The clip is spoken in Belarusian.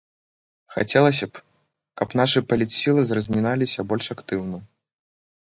Хацелася б, каб нашы палітсілы разміналіся больш актыўна.